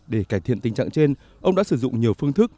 để cải thiện tình trạng trên ông đã sử dụng nhiều phương thức